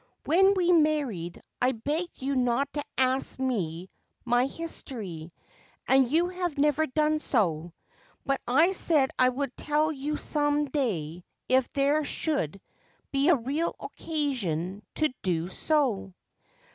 When we married I begged you not to ask me my history, and you have never done so ; but I said I would tell you some day if there should be a real occasion to do so.